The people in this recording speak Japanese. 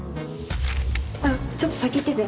あっちょっと先行ってて。